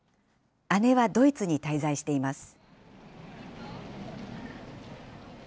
姉はドイツに滞在しています。